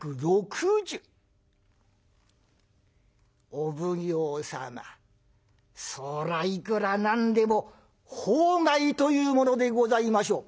お奉行様そらぁいくら何でも法外というものでございましょう」。